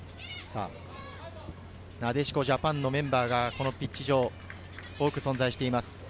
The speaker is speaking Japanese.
なでしこジャパンのメンバーがピッチ上、多く存在しています。